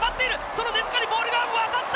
その根塚にボールが渡った！